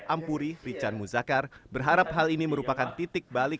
ampuri rican muzakar berharap hal ini merupakan titik balik